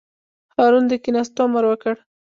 هارون د کېناستو امر وکړ.